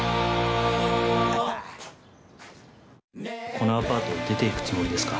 このアパートを出ていくつもりですか？